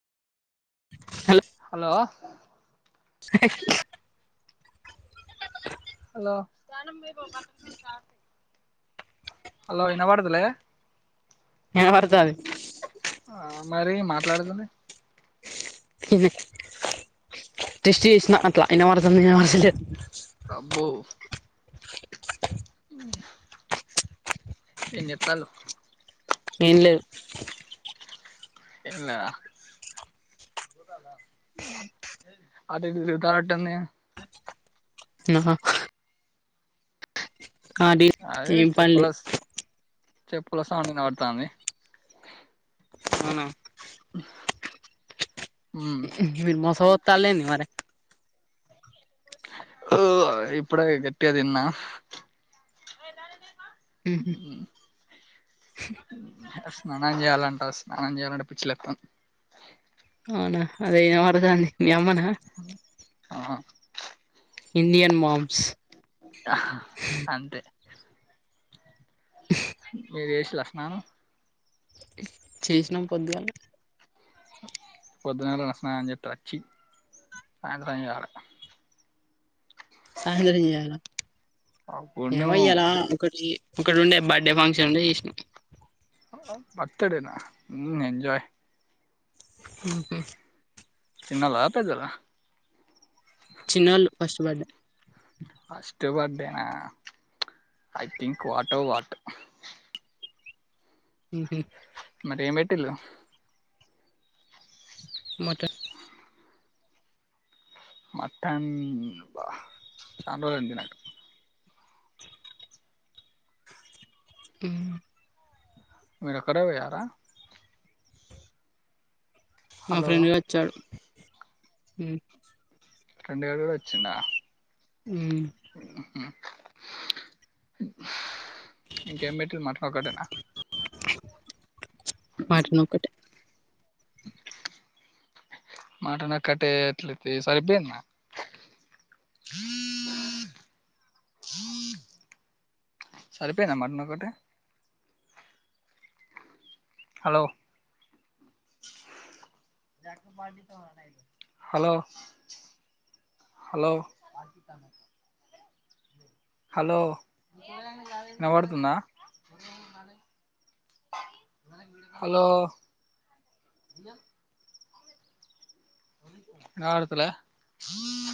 hello శక్తి పీఠాలు ఉంటాయి హలో ఇనబడత లేదా వినబడుతుంది ఆ మరి మాట్లాడుతలే అట్లా టెస్ట్ చేసిన వినపడుతుందా వినపడతలేదా అని అబ్బో ఏం చేతలు ఏం లేదు ఏం లేదా అదే ఎందుకు కరెక్ట్ అన్నయ్య ఆ హు అది అదే ఏం పనిలే చెప్పుల చెప్పుల సౌండ్ ఇన పడుతాంది అవునా మీరు మోస పోతాల్లు ఏంది మరి ఓ ఇప్పుడే గట్టిగా తిన్న ఉహు ఉ స్నానం చేయాలంటా స్నానం చేయాలంటే పిచ్చిలేతంది అవునా అదే ఇన పడుతంది మీ అమ్మనా ఇండియన్ మామ్స్ హ అంతే మీరు చేసిన్ల స్నానం చేసినాం పొద్దుగాల పొద్దుగా లానా స్నానం చేతే అచ్చి సాయంత్రం చేయాలే సాయంత్రం చేయాల అప్పుడు ఏమో ఇయ్యాల ఒకటి ఒకటి ఉండే బర్త్డే ఫంక్షన్ ఫంక్షన్ ఉండే చేసిన బర్తడేనా ఏంజాయ్ ఉహు చిన్నద పెద్దదా చిన్నోళ్ళు ఫస్ట్ బర్డే ఫస్ట్ బడ్డేనా ఐ థింక్ వాటో వాట్ ఉహు మరి ఏం పెట్టిల్లు మటన్ మటన్ అబ చాల రోజులైంది తినక ఆ మీరు ఒక్కరే పోయారా నా హలో ఫ్రెండ్గా వచ్చాడు ఫ్రెండ్ గాడు కూడా అచ్చిండా ఉ హూ ఇంకేం పెట్టిల్లు మటన్ ఒకటేనా మటన్ ఒకటే మటన్ ఒకటే సరిపోయింది నాకు సరిపోయిందా మటన్ ఒక్కటే హలో హలో హలో హలో వినబడుతుంద హలో విన బడుతలే